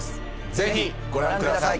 ぜひご覧ください。